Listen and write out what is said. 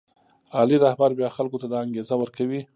عالي رهبر بیا خلکو ته دا انګېزه ورکوي.